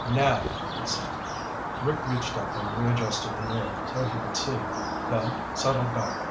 "Now," he said. Rick reached up and readjusted the mirror so he could see, then settled back.